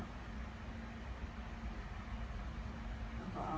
อาทิตย์ไม่ควรล่ะ